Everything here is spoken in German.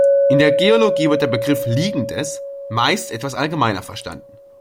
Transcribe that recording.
In der Geologie wird der Begriff "Liegendes" meist etwas allgemeiner verstanden.